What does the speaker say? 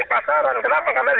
tapi masyarakat sudah nyetok duluan